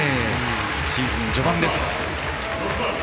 シーズン序盤です。